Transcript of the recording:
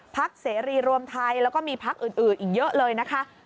เสรีรวมไทยแล้วก็มีพักอื่นอีกเยอะเลยนะคะ